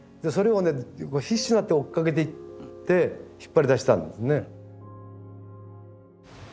もう必死になって追っかけていって引っ張り出したんですね。